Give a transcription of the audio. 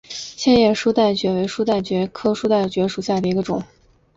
线叶书带蕨为书带蕨科书带蕨属下的一个种。